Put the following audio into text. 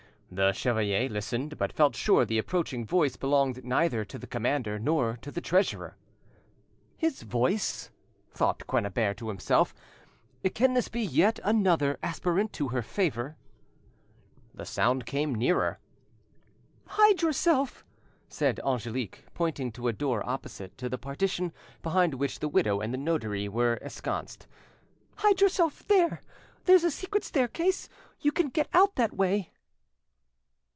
The chevalier listened, but felt sure the approaching voice belonged neither to the commander nor to the treasurer. "'His voice'?" thought Quennebert to himself. "Can this be yet another aspirant to her favour?" The sound came nearer. "Hide yourself!" said Angelique, pointing to a door opposite to the partition behind which the widow and the notary were ensconced. "Hide yourself there!—there's a secret staircase—you can get out that way."